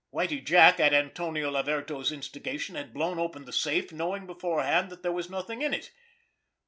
Whitie Jack, at Antonio Laverto's instigation, had blown open the safe, knowing beforehand that there was nothing in it!